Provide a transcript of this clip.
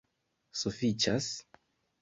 sufiĉas